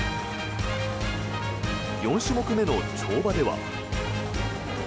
４種目目の跳馬では。